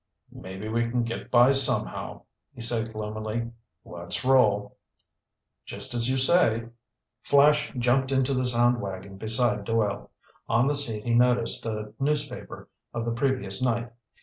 "Maybe we can get by somehow," he said gloomily. "Let's roll." "Just as you say." Flash jumped into the sound wagon beside Doyle. On the seat he noticed a newspaper of the previous night.